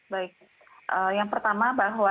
baik yang pertama bahwa